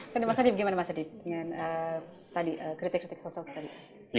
jadi mas adi bagaimana mas adi dengan kritik kritik sosial tadi